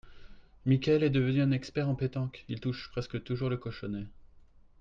Michaël est devenu un expert en pétanque, il touche presque toujours le cochonnet